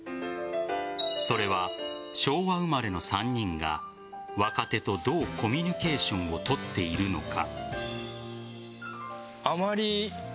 それは昭和生まれの３人が若手とどうコミュニケーションを取っているのか。